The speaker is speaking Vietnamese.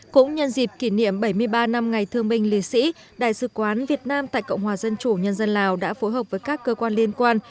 cũng nhân dịp kỷ niệm bảy mươi ba năm ngày thương binh liệt sĩ đại sứ quán việt nam tại cộng hòa dân chủ nhân dân lào đã phối hợp với các cơ quan liên quan